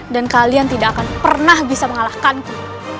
dan kalian tidak akan pernah bisa mengalahkanku